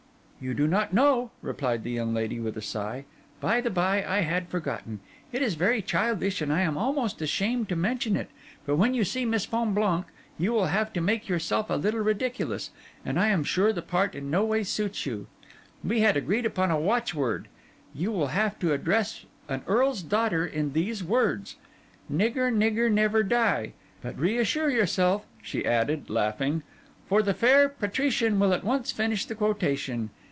'You do not know,' replied the young lady, with a sigh. 'By the bye, I had forgotten—it is very childish, and I am almost ashamed to mention it—but when you see Miss Fonblanque, you will have to make yourself a little ridiculous; and I am sure the part in no way suits you. We had agreed upon a watchword. You will have to address an earl's daughter in these words: "Nigger, nigger, never die;" but reassure yourself,' she added, laughing, 'for the fair patrician will at once finish the quotation.